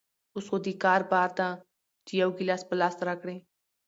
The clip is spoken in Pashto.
اوس خو دکار بار ده چې يو ګيلاس په لاس راکړي.